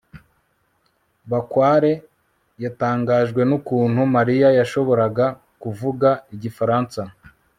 bakware yatangajwe n'ukuntu mariya yashoboraga kuvuga igifaransa